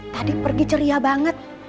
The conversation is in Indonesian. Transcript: tadi pergi ceria banget